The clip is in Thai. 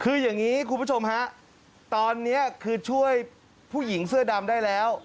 คืออย่างนี้คุณผู้ชมฮะตอนนี้คือช่วยผู้หญิงเสื้อดำได้แล้ว